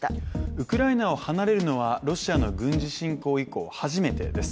ウクライナを離れるのはロシアの軍事侵攻以降初めてです。